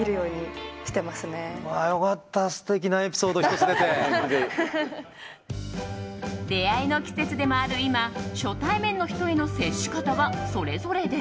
そして、大阪出身の中条さんは。出会いの季節でもある今初対面の人への接し方はそれぞれで。